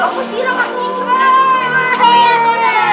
aku siram aku